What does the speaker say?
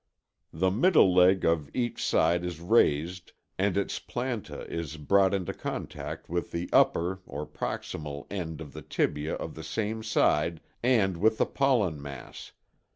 The middle leg of each side is raised and its planta is brought into contact with the upper (proximal) end of the tibia of the same side and with the pollen mass.